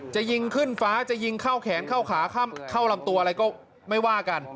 จะยิงขึ้นฟ้าจะยิงเข้าแขนเข้าขาเข้าลำตัวอะไรก็ไม่ว่ากัน